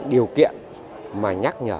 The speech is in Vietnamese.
điều kiện mà nhắc nhở